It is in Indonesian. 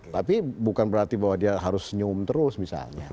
tapi bukan berarti bahwa dia harus senyum terus misalnya